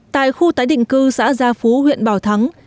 tại khu tái định cư xã gia phú huyện bảo thắng